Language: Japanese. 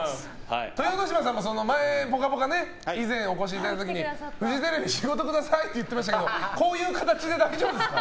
豊ノ島さんも「ぽかぽか」に以前お越しいただいた時にフジテレビ仕事したいって言ってましたけどこういう形で大丈夫ですか？